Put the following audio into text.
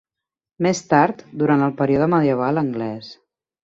Més tard, durant el període medieval anglès.